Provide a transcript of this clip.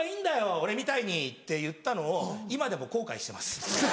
俺みたいに」って言ったのを今でも後悔してます。